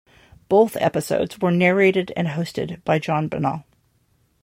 Both episodes were narrated and hosted by John Bunnell.